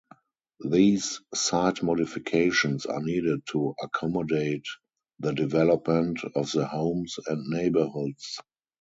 These site modifications are needed to accommodate the development of the homes and neighborhoods.